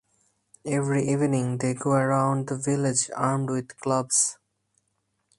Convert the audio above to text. Every evening they go around the village armed with clubs.